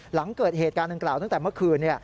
หลังเกิดเหตุการณ์ดังกล่าวตั้งแต่เมื่อคืน